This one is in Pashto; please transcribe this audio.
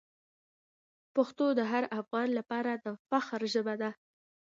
پښتو د هر افغان لپاره د فخر ژبه ده.